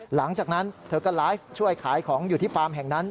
หลังจากนั้นเธอก็ไลฟ์ช่วยขายของอยู่ที่ฟาร์มแห่งนั้น